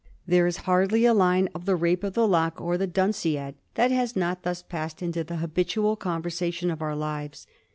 There is hardly a line of " The Rape of the Lock " or " The Dunciad " that has not thus passed into the habitual conversation of our lives.